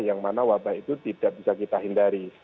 yang mana wabah itu tidak bisa kita hindari